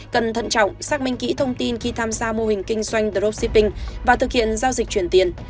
cần thận trọng xác minh kỹ thông tin khi tham gia mô hình kinh doanh dropshipping và thực hiện giao dịch chuyển tiền